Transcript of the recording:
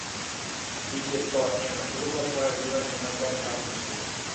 Биће то њено друго појављивање на том такмичењу.